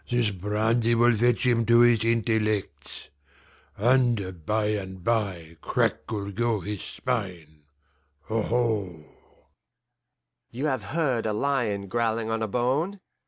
This brandy will fetch him to his intellects. And by and bye crack'll go his spine aho!" You have heard a lion growling on a bone.